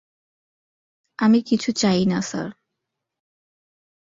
আমি কিছু চাই না স্যার।